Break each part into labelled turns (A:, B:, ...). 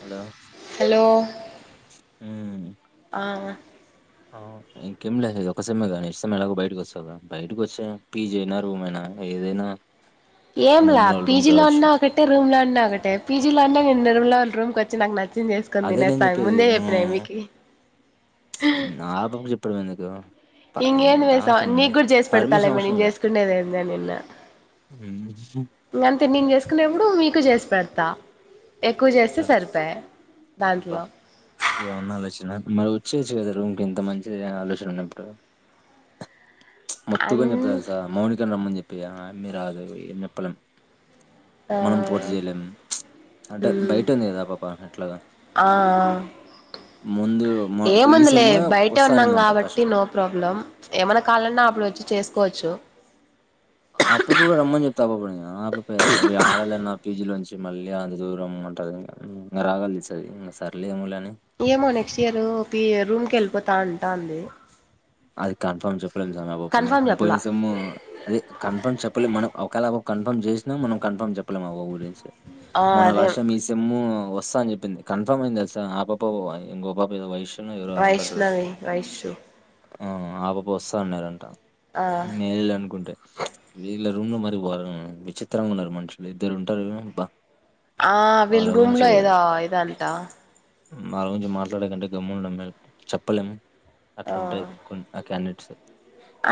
A: Hello
B: hello
A: ఉమ్
B: ఆ
A: ఇంకేం లేదు ఒకసమే కా నెక్స్ట్ సేమ్ ఎలాగో బయటకి వాస్తవ్ కా బయటకి వస్తె పీజీ నా రూమైనా ఏదైనా
B: ఏంలా
A: నిర్మలా వాళ్ళ రూమ్
B: పీజీ
A: కి రావచ్చు
B: లోన్నా ఒకటే రూమ్ లో ఉన్నా ఒకటే పీజీ లో ఉన్నా నన్న రూమ్ లో రూమ్కి వచ్చి నాకు నచ్చ చేసుకుని
A: అదే నేను
B: తినేస్త
A: చెప్పేది
B: ముందే
A: ఆ
B: చెప్పినా కదా మీకి
A: ఎప్పుడు మనుకు
B: ఇంేంది మే సా నీకు కూడా చేసి
A: పర్మిషన్
B: పెడతాాలేమో
A: అవసరం
B: నేను
A: లే
B: చేసుకునేేది ఏందో నిన్న
A: ఉమ్.
B: ఇంకా అంతే నేను చేసుకునేప్పుడు మీకు చేసి పెడతా త్త
A: అబా
B: దాంట్లో
A: ఏమన్నాలోచన నువ్ చేచ్ు కదా రూమ్ కి ఇంత మంచి ఆలోచన ఉన్నప్పుడు
B: అన్
A: మొతుగాని చెప్ప తెల్సా మౌనికని రమ్మని చెప్ప మీరాదు ఎన్నప్పలం మనం పూర్తి చేయలేము అంటే బయట ఉంది కదా ఆ పాప ఎట్లాగా
B: ఆ ఆ
A: ముందు మ ఈ
B: ఏముందిలే
A: సెమ్మే
B: బయటే
A: వస్తా
B: ఉన్నాం
A: అనిందంట
B: కాబట్టి
A: ఫస్ట్.
B: నో ప్రాబ్లం ఏమనా కాలన్నా అప్పుడు వచ్చి చేస్ కోచు
A: అప్పుడు కూడా రమ్మని చెప్తి ఆ పాప నీ ఆ పాపే యాడాలేయన్న పీజీలో నుంచి మళ్ళీ అంత దూరంమ్మంటాది ఇం ఇంకా రాగాలు తీస్తాది ఇంకా సర్లేమలే
B: ఏ మోనక్షియారు పి రూమ్ కెల్పోత త అంటంది
A: అది కన్ఫర్మ్ చెప్ పోయినా
B: చెప్పలా
A: సేము అదే కన్ఫర్మ్ చెప్పలే మనం ఒకేళ కన్ఫర్మ్ చేసినా మనం కన్ఫర్మ్ చెప్పలేము అ పాప గురించి
B: ఆ
A: మన
B: అదే
A: లాస్ట్ సేమ్ ఈ సెమ్ము వస్తా అని చెప్పింది కన్ఫర్మ్ అయింది తెలుసా ఆ పాప ఇంకో పాప ఏదో వైష
B: వైష్ణవి వైష్ణు
A: ఉమ్ ఆ పాప వస్తా అన్నది అంటా
B: ఆ
A: నేలళ అనుకుంటే ఇలా రూమ్ లో మరీ గోరం విచిత్రంగా ఉన్నారు మనుషులు ఇద్దరు ఉంటారు బా
B: ఆ వీళ్ళ రూమ్ లో ఏదా ఇదా అంట
A: మా గురించి మాట్లాడే కంటే గమండ మేము చెప్పలేము
B: ఆ
A: అట్లుంటాయి కొన్ని ఆ క్యాండెడ్స్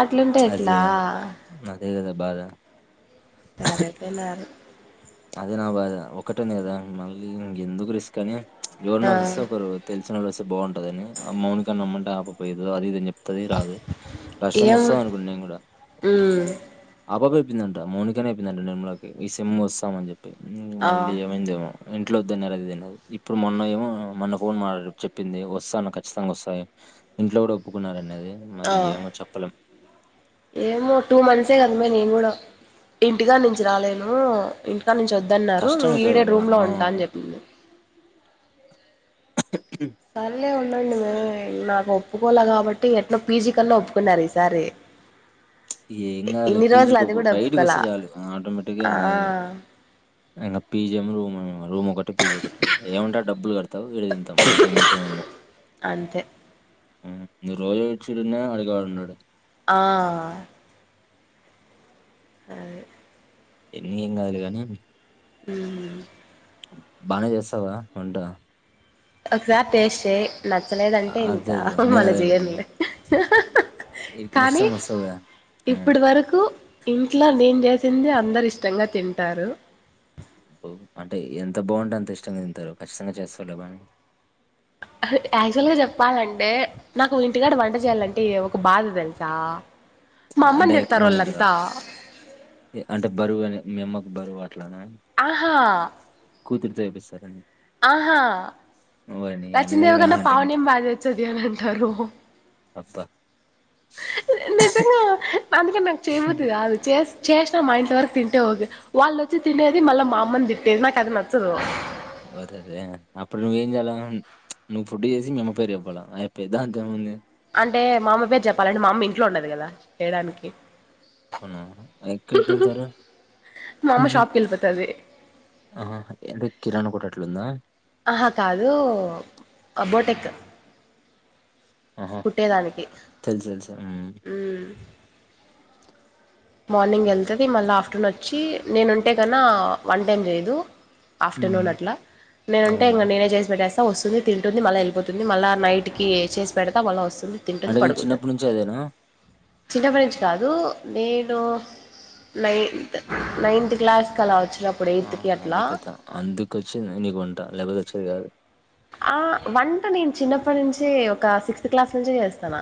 B: అట్లుంటే ఎట్లా
A: బాద
B: సరిపోయినారు
A: అదే నా బాధ ఒకటని కదా మళ్ళీ ఇంకెందుకు రిస్క్ అని ఎవరన్న
B: ఆ
A: వస్తే ఒకరు తెలిసిన వాళ్ళు వస్తే బాగుంటుందని ఆ మౌనికని అమ్మంటే పొయ్యిరు అది ఇది అన్ చెప్ ది రాదు లక్ష్యం
B: ఏం
A: వస్తుంది అనుకుం నేను కూడా
B: ఉమ్
A: ఆబబ ప్పిందట మౌనిక నే చెప్పిందంటనే నిర్మలకి ఈ సెమ్ వస్ రమ్మన్ చెప్
B: ఆ
A: మళ్ళీ ఏమైందేమో ఇంట్లో వద్దన్నారు అది ఇది ఇప్పుడు మొన్న ఏమో మొన్న ఫోన్ మాటడే చెప్పింది వస్తాను ఖచ్చితంగా వస్తాను ఇంట్లో కూడా ఒప్పుకున్నారుారన్నది
B: ఆ
A: అది ఏమో చెప్పలేం
B: ఏమో టూ మంత్సే కదమ్మా నేను కూడా ఇంటికా నుంచి రాలేను ఇంకా నుంచి వద్దన్నారు
A: కష్టం
B: ఈడే రూమ్ లో ఉంటా అని చెప్పింది
A: అ
B: సరే అే ఉండండి మే నాకు ఒప్పుకోల కాబట్టి ఎట్లా పీ జీ కన్నా ఒప్పుకున్నారు ఈసారి
A: ఏం గాదులే
B: ఇన్ని
A: పీ జి
B: రోజులు అది కూడా
A: బయటకి
B: ఒప్పుకోలా
A: వస్తే చాలు ఆటోమేటిక్గా
B: ఆ
A: ఈ అయిన పీ జీ ఎం రూమ్ ఏం రూమ్ ఒక్కటే పీజీ ఒకటి ఏమంటారు డబ్బులు కడతావు ఇడ తింటాం అంతకు మించ ఏముంది
B: అంతే
A: మ్మ్ నువ్వు రోజు వచ్చి ఉన్న అడిగేవాడు ఉండడు
B: ఆ అదే
A: ఎన్ని ఎం కాదులే కానీ
B: మ్మ్
A: బానే చేస్తావ్ గా వంట
B: ఒక సారి టేస్ట్ చెయ్ నచ్చలేదంటే
A: అదే
B: ఇంకా
A: అదే నేను
B: మన
A: అదే అనుకుంటున్నా
B: జీయన్లే ఆ
A: నెక్స్ట్
B: కానీ
A: టైం వస్తావు కదా ఆ,
B: ఇప్పుటి వరకు ఇంట్లో నేను చేస్ తిండి అందరు ఇష్టంగా తింటారు
A: అంటే ఎంత బాగుంటే అంత ఇష్టంగా తింటారు ఖచ్చితంగా చేస్తళ్ళు కానీ
B: యాక్చువల్ గా చెప్పాలంటే నాకు ఇంటికాడ వంట చేయాలం టే ఒక బాధ తెలుసా మా అమ్మని
A: అంటే ఎక్కువ
B: తిడతారు
A: మంది ఉంటారా
B: వాళ్లంతా
A: అంటే బరువుని మిమ్మకు బరువు అ
B: ఆహా
A: కూతురుతో చేపిస్తారండి
B: ఆహా
A: అన్ని
B: రచిన
A: నెలలు
B: దేవి కన్నా
A: అంటే ఇంక-
B: పావణ్యం బాగా వచ్చది అని అంటారు
A: అబ్బా
B: నిజంగా అందుకె న చెయ్ బుద్ది కాదు చెస్ చెస్ మా ఇంట్లో వరకు తింటే వాళ్ళుచ్చి తినేది మళ్ళా మా అమని తిట్టేది నాకు అది నచ్చదు
A: ఓ సరే అప్పుడు నువ్వేం చేయాల నువ్వు ఫుడ్ చేసి మమ్మ పేరు చెప్పాలా అయపాయ్ దాంతో ఏముంది
B: అంటే మా అమ పేరు చెప్పాలంటే మామ ఇంట్లో ఉండదు కదా చేయడానికి
A: అవునా ఎక్కడికి వెళ్తారు
B: మా అమ్మ షాప్కి వెళ్ళిపోతది
A: ఆ అంట కిరాణ కొట్టు అట్లుందా
B: ఆహా కాదు
A: ఆహా
B: కుుట్టేదానికి
A: తెలుసు తెలుసు ఉమ్,
B: ఉ మార్నింగ్ వెళ్తుంది మళ్ళీ ఆఫ్టర్నూన్ వచ్చి నేనుంటే కన్నా వన్ టైం లేదు
A: ఉమ్,
B: ఆఫ్టర్నూన్ అట్లా నేనుంటే
A: అవునురా
B: ఇంకా నేనే చేసి పెట్ వస్తుంది తింటుంది మళ్ళీ వెళ్ళపోతుంది మళ్ళా నైట్ కి చేసి పెడతా మళ్ళ వస్
A: అంటే నీ చిన్నప్పటి నుంచి అదేనా
B: చిన్న పటి నుంచి కాదు నేను ఇడు నైన్త్ నైన్త్ క్లాస్కి అలావచ్చు
A: ఆ అది కదా అందుకు వచ్చి నీకు వంటా లేకపోతే వచ్చేది కాదు
B: ఆ వంట నేను చిన్నప్పటి నుంచి ఒక సిక్స్త్ క్లాస్ నుంచి చేస్తానా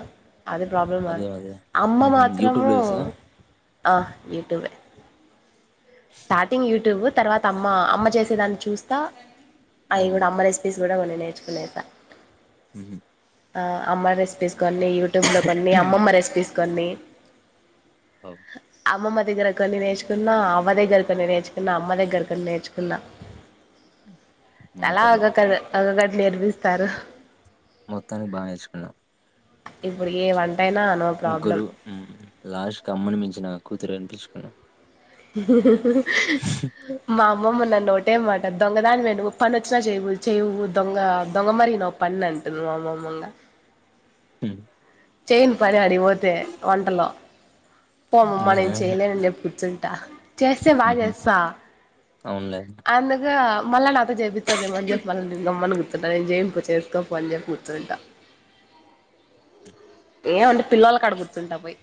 B: అదే ప్రాబ్లం
A: అదే అదే
B: అమ్మ
A: ఉహు యూట్యూబ్
B: మాత్రము
A: లో చూసా
B: ఆ యూ ట్యూబ్ ఏ స్టార్టింగ్ యూట్యూబ్ తర్వాత అమ్మ అమ్మ చేసేదాన్ని చూస్తా
A: ఆ
B: అయిగ కూడా అమ్మ రెసిపీస్ కూడా కొన్ని నేర్చుకునేసా
A: హ
B: ఆ అమ్మ రెసిపీస్ కొన్ని యూట్యూబ్ లో కొన్ని అమ్మమ్మ రెసిపీస్ కొన్ని
A: అవ్
B: అమ్మ మ దగ్గర కొన్ని నేర్చుకున్న ఆ అమ్మ దగ్గర కొన్ని నేర్చుకున్న అమ్మ దగ్గర కొన్నినేర్చుకున్నా తలా
A: మాట్లాడలేదు
B: ఒక్కొక్కరు అది ఒకటి నేర్పిస్తారు
A: మొత్తానికి బాగా నేర్చుకునావు
B: ఇప్పుడు కె వా
A: ముగ్గురు హు లాస్ట్ కు అమ్మను మించిన కూతురు అనిపించుకున్నావ్
B: [unintelligible] మా అమ్మమ్మ నన్ను ఒకటే మా దొంగదానివే నువ్వు పని వచ్చినా చేయవు చేయవు దొంగ దొంగ మరిగిన పని అంటుంది మా అమ్మ మొన్న
A: హు
B: చేయను పని ఆడికి పోతే వంటలు పో అమ్మమ్మ
A: ఆ
B: నేను చేయలేను అని చెప్పి కూర్చుంట ట చేస్తే బాగా
A: ఉహు
B: చేస్తా
A: అవునులే
B: అందుకు మల్ల నా చూపిస్తాది ఏమో అని చెప్పి మల్లా నేను గమ్మున కూ నేను చెయ్యను పో చేసుకోపో అని చెప్పి కూర్చుంట ఏమ అంటే పిల్లలా కాడ కూర్చు కూర్చుంటా పోయి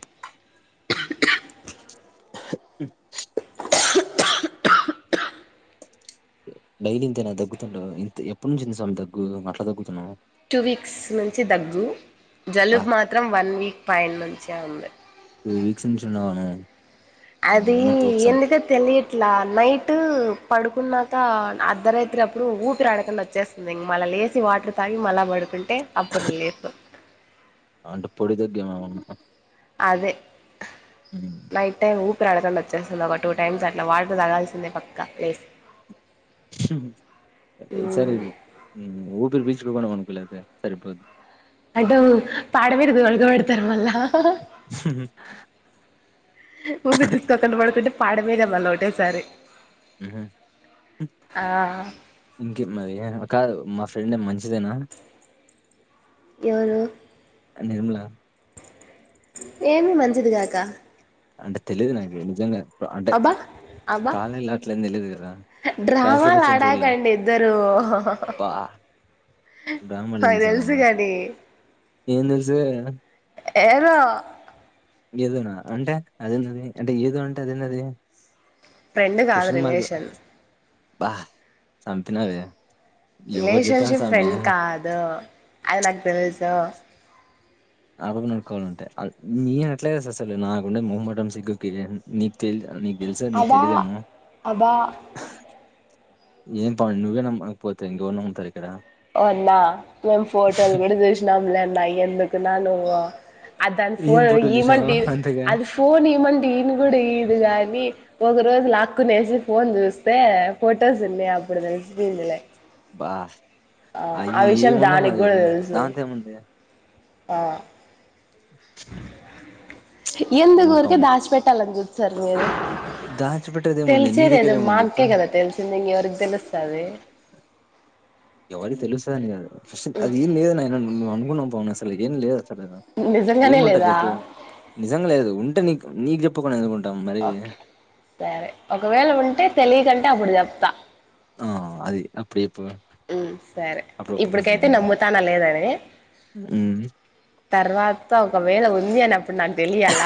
A: [inaudible] డైలీ ఇంతేనా దగ్గుతుంటవా ఇంత ఎప్పుడు నుంచింది స్వామి దగ్గు అట్లా దగ్గుతున్నాం
B: టూ వీక్స్ నుంచి దగ్గు
A: బా
B: జలుబు మాత్రం వన్ వీక్ పైన నుంచే ఉంది
A: టూ వీక్స్ నుంచి ఉన్నవా నువ్వు
B: అది
A: నిజంగా తోపు స్వామి
B: ఎందుకో తెలియదు ఇట్లా నైట్ పడుకున్నాక అర్ధరాత్రి అప్పుడు ఊపిరిడకుండా వచ్చేస్తుంది ఇమళ్ళా లేచి వాటర్ తాగి మళ్ళా పడుకుంటే అప్పుడు లేస్తా
A: అంటే పొడి దగ్గ ఏమమన్నా
B: అదే నైట్ టైం ఊపి ఊపిరి ఆడకుండా వచ్చేస్తుంది ఒక టూ టైమ్స్ అట్లా వాటర్ తాగాల్సిందే పక్కా లేసి
A: ఈసారి హు ఊపిరి పీలు ట్యూబ్ అన్నా కొనుక్కో లేపోతే సరిపోది
B: అడ్డము పాడమీద తోల్క పెడతారు మల్ల
A: [inaudible]
B: మకు దుష్కకంట పడుతుంటే పాడ మీరే మళ్ళా ఒకటేసారి
A: ఉహు
B: ఆ
A: ఇంకే మరి కాదు మా ఫ్రెండ్ మంచిదేనా
B: ఎవరు
A: నిర్మూల
B: ఏమి మంచిది కాక
A: అంటే తెలిదు నాకు నిజంగా అంటే
B: అబ్బా అబ్బా
A: కాలేజలో అట్లం తెలియదు కదా క్లాస్లకి
B: డ్రామాలు
A: వచ్చిమీ చూడలే
B: ఆడాకండి ఇద్దరు
A: బా
B: నాకు
A: బ్రామలింసా
B: తెలుసు కాని
A: ఏం తెలుసు
B: ఏదో
A: ఏదోనా అంటే అదేన్నది అంటే ఏదో అంటే అదేన్నది
B: ఫ్రెండ్ కాదు రిలేషన్
A: బా సంపినవే
B: రిలేషన్షిప్ ఫ్రెండ్ కాదు అది నాకు తెలు సు
A: ఆ పాపని ఆదుకోవాలంతే ఆ నేన ఎట్లా చేస్తా అసలు నాకుండే మొమ్మటం సిగ్గుకి నీ కి నీకు తెలుసా నీకు
B: అబ్బా
A: తెలీదేమో
B: అబ్బా
A: ఏం పావని నువ్వే నమక పోతే ఇంకే ఎవరు నముతారు ఇక్కడ
B: ఓ అన్నా మేము ఫోటోలు కూడా చూసినాంలే అన్న ఎందుకు చైననువు అద దాని
A: ఏం
B: ఫోన్
A: ఫోటోలు
B: ఈ మంట
A: తీసినావు అంతగా
B: అది ఫోన్ ఇమాన్ ఈయను కూడా ఇదు గాని ఒక రోజు లాక్నేసి ఫోన్ చూస్తే ఫొటోస్ ఉన్నాయి అ అపుడు తెలిసి పోయిందిలే
A: బా అవి ఏమున్నా అది
B: తెలుసు
A: దాంతో ఏముంది
B: ఆ ఎందుకు
A: ఏం
B: ఊరికే
A: పావని
B: దాస్ పెటలాన్ చు సర్ మీరు
A: దాచిపెట్టేది ఏముంది నీ
B: తెల్సేది
A: దగ్గర
B: ఏదో
A: ఏముంది
B: మేక్
A: చెప్పు
B: కదా తెల్సింది ఇంకా ఎవరికి తెలిసుస్తాది
A: ఎవరికి తెలుసా అని కాదు అసలు ఆది ఏం లేదు నయనా నువు నువు అనుకున్నాం పావని అసలు ఏం లేదు అంతేనా ఏం
B: నిజంగానే
A: ఉంటది
B: లేదా
A: చెప్పు నిజం లేదు ఉ నీక నీకు చెప్పకుండా ఎందుకుం
B: ఓకే సరే ఒకవేళ ఉంటే తెలేదంటే అప్పుడు చెప్తా
A: ఆ అది అప్పుడి ఎప్పు
B: సరే ఇప్పుడికైతే నమ్ముతాన లేదని
A: ఉమ్
B: తర్వాత ఒకవేళ ఉంది అని అప్పుడు నాకు తెలియాల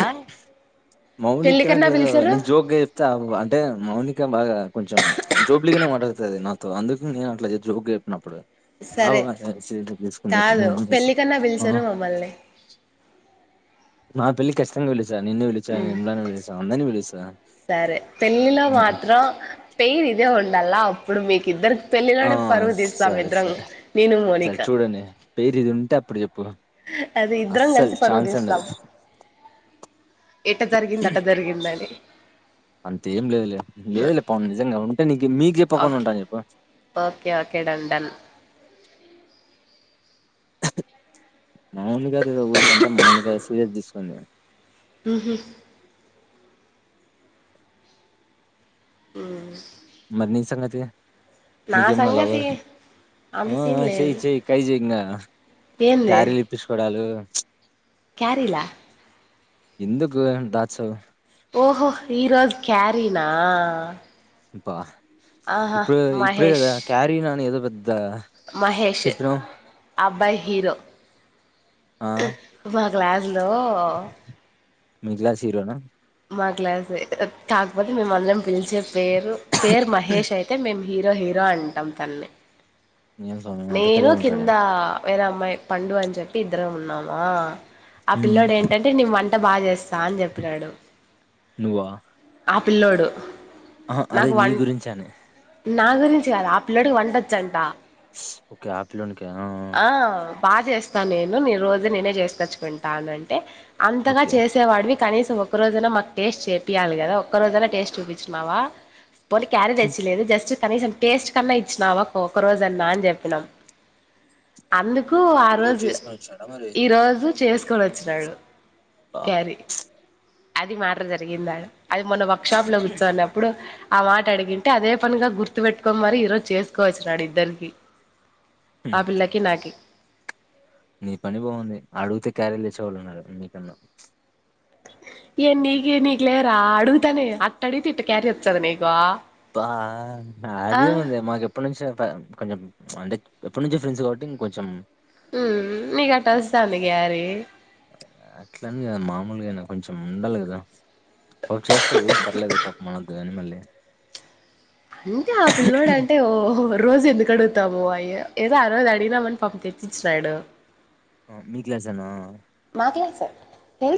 A: మౌనిక కదా నేను జోక్ గా చెప్తేా అంటే మౌనిక బాగా కొంచెం జోబలిగానే మాట్లాడుత అది నాతో అందుకు నేను అట్లా జోక్ చెప్పినప్పుడు
B: సరే కాదు
A: నేను
B: పెళ్ళ
A: పిలిచి
B: కన్నా
A: ఆ
B: పిలిచరు మమ్మల్ని
A: మా పెళ్ళికి కచ్చితంగా పిలుస్త నిన్న విళా
B: ఉమ్
A: నిమ్ల విసా అందని విళస
B: సరే పెళ్ళిలో మాత్రం పెయిర్ ఇదే ఉండాల అప్పుడు మీకు ఇద్దరు
A: ఆ సరే సరే
B: నేను
A: సరే
B: మోనిక
A: చూడండి పేరు ఇది ఉ ఉంటే అప్పుడు చెప్పు
B: అది ఇద్దరం
A: అస్సలు
B: కలిసి పరుగు
A: ఛాన్స్
B: తీస్తాం
A: ఉండదు
B: ఎట జరిగింద అట జరిగిందని
A: అంతేం లేదులే లేదులే పవున్ నిజంగా ఉంటే నీ మీకు చెప్పకుండా
B: ఓకే
A: ఉంటాను చెప్పు
B: ఓకే ఓకే డన్ డన్
A: మాములుగాదుదో ఊరికంటే మాములుగాద సీరియస్ తీసుకుంది
B: హమ్ హమ్
A: మరి నీ సంగతి నీకేమనా
B: సంగతి
A: లవర్
B: అంత
A: ఆ
B: సీన్
A: చేయయి
B: లేదు
A: చెయయి ట్రై ఇంకా క్యారీలు ఇప్పించుకోడాలు
B: క్వారీల
A: ఎందుకు అంతా ఆశ్చర్య
B: ఓహో ఈ రోజు క్యారీనా
A: బా
B: ఆహా
A: ఇప్పుడు ఇప్పుడే కదా క్యారీ నని ఏదో పద్ద
B: మహేష్ష్ అబ్బా హీరో
A: ఆ
B: బ గ్లాస్ హలో
A: మి హీరోనా
B: మా క్లాసే కాకపోతే మేము అందరం పిలిచే పేరు పేరు మహేష్ అయితే మే హ ో హీరో అంటాం తల్న్ని
A: ఏం స్వామి అంత
B: నేను
A: తెల్లగుంటాడా
B: కింద వేరే అమ్మాయి పండు అని చెప్పి ఇద్దరం ఉన్నామా ఆ
A: ఉమ్
B: పిల్ల్లోడు ఏంటంటే నివంత అ బాగా చేస్తంది అని చెప్పినాడు పిల్లోడు
A: ఆ అదే
B: నాకు
A: నీ
B: వంట
A: గురించా అని
B: నా గురించి కాదు ఆ పిల్ల్లోడికి వంటొచ్చంట
A: ఓకే ఆ పిల్లోనికా
B: ఆ బాగా చేస్తా నేను రోజు నేనే చేసుకచ్చుకుంటా అంటే అంతగా
A: ఓకే
B: చేసేవాడివి కనీస ఒక రోజన్న మాకు టేస్ట్ చేపియ్యాలి కదా ఒక్క రోజనా టేస్ట్ చూపించినవా పో క్యారిీ తెచ్చిలేదు జస్ట్ కనీసం టేస్ట్ కన్నా ఇచ్చినావా ఒక్క రోజు అన్నా అని చెప్పినాం అందు కు ఆ
A: ఈరోజు
B: రోజు
A: చేసుకొని వచ్చాడా మరి
B: ఈ రోజు చేసుకొని వచ్చినాడు
A: బా
B: క్యారీ అది మ్యాటర్ జరిగిందాడ అది మొన్న వర్క్ షాప్ లో కూర్చోని అప్పుడు ఆ మాట అడిగింటే అదే పనిగా గుర్తు పెట్టుకొని మరి ఈ రోజు చేసుకోని వచ్చినాడు ఇద్దరికి ఆ
A: ఉమ్,
B: పిల్లకి నాకి
A: నీ పని బాగుంది అడుగుతే క్యారీలు తెచ్చేవాళ్ళు ఉన్నారు నీ కన్నా
B: ఏం నీకే నీకు లేరా అడుగుతానే అట్ట అడిగితె ఇట్టా క్యారి వత్తది నీకూ
A: బా నాదేముంది మాకు ఎప్పటి నుంచో కొంచెం అంటే ఎప్పటి నుంచో ఫ్రెండ్స్ కాబట్టి ఇంక కొంచెం
B: మ్ నీకట్ట వస్తాంది క్యారీ
A: అట్లా అని కాదు మామూలుగా అయినా కొంచెం ఉండాలి కదా పా చేస్తది పర్లేదు పాపం మన ని మళ్ళీ
B: అంటే ఆ పిల్లోడు అంటే ఓహ్ రోజు ఎందుకు అడుగుతాము అయ ఏదో ఆ రోజు అడిగినామని పాపం తెచ్చిచ్చినాడు
A: మీ క్లాస్ యేన
B: [unintelligible] సార్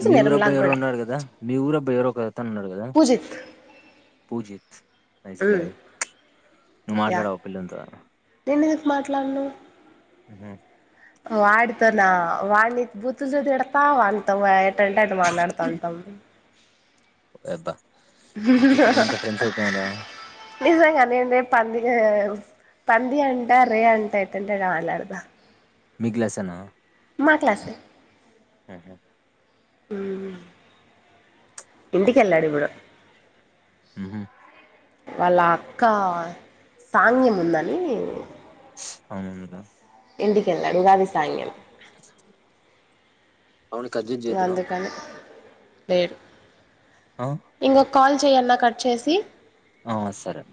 A: మీ ఊరుబ్బాయి ఎవరో ఉన్నారు కదా మీ ఊరుబ్బాయి ఎవరో కద త్తన్నాడు కదా
B: పూజిత్
A: పూజిత్ నైస్
B: ఉమ్
A: గాయ్ నువ్వు
B: యా
A: మాట్లాడవ పిల్లోనితో
B: నేనెందుకు మాట్లాడను
A: హ్
B: వాడితోనా వాడిని బుతులు తిడతా వానితోయే ఎట్టంటే అటు మాట్లాడతా ఉంటాం
A: ఓయబ్బా తిట్టుకునేంత ఫ్రెండ్స్ అయిపోయాం రా
B: నిజంగానే రేప్ పండుగే పంది అంట రే అంట ఎట్టంటే అంటే మాట్లాడతా
A: మీ గ్లాస్ ఏ నా
B: మా క్లాస్ ఏ
A: హు హుమ్
B: మ్మ్ ఇంటికెల్లాడు ఇప్పుడు
A: హు హ్మ్
B: వాళ్ళ అక్క సాంగ్యం ఉందని
A: అవును కదా
B: ఇంటి కెళ్ళాడు ఉగాది సాంగం
A: అవును కట్ జేస్ జేద్దునా
B: లేరు ఇంగో కాల్ చెయన్నా కట్ చేసి
A: ఆ సరే